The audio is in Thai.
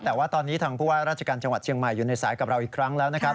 แต่ว่าตอนนี้ทางผู้ว่าราชการจังหวัดเชียงใหม่อยู่ในสายกับเราอีกครั้งแล้วนะครับ